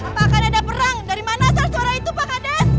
apakah ada perang dari mana asal suara itu pak hadas